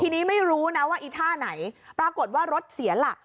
ทีนี้ไม่รู้นะว่าไอท่าไหนมาเรียนรู้นะว่ารถเสียหลัก